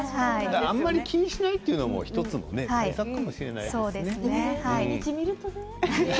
気にしないというのも１つの対策かもしれないですね。